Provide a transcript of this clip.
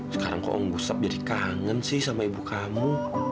sekarang kok ombusap jadi kangen sih sama ibu kamu